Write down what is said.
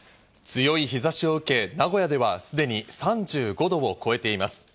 強い日差しを受け、名古屋ではすでに３５度を超えています。